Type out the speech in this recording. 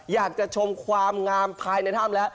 อยากจะชมความงามภายในถ้ำแล้ว